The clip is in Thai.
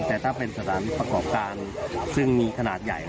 แต่ถ้าเป็นสถานประกอบการซึ่งมีขนาดใหญ่